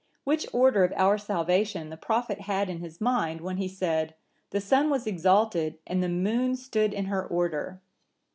Which order of our salvation the prophet had in his mind, when he said 'The sun was exalted and the moon stood in her order.